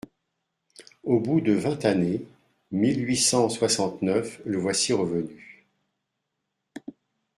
Au bout de vingt années, mille huit cent soixante-neuf, le voici revenu.